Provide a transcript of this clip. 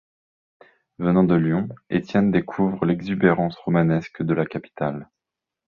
Venant de Lyon, Étienne découvre l'exubérance romanesque de la capitale.